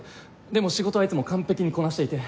でも仕事はいつも完璧にこなしていて。